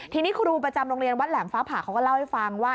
ทีนี้ครูประจำโรงเรียนวัดแหลมฟ้าผ่าเขาก็เล่าให้ฟังว่า